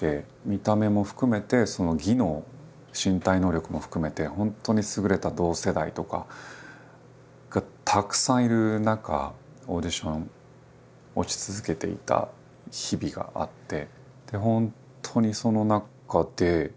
見た目も含めて技能身体能力も含めて本当に優れた同世代とかがたくさんいる中オーディション落ち続けていた日々があって。